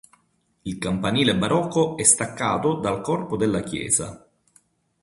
Il campanile barocco è staccato dal corpo della chiesa.